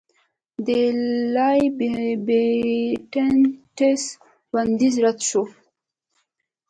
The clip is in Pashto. د لایبینټس وړاندیز رد شو.